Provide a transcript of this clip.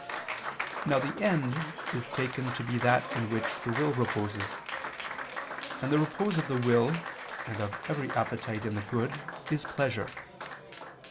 Now the end is taken to be that in which the will reposes: and the repose of the will and of every appetite in the good is pleasure.